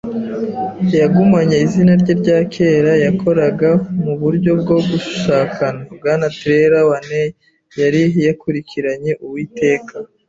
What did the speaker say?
yagumanye izina rye rya kera, yakoraga muburyo bwo gushakana. Bwana Trelawney yari yakurikiranye Uwiteka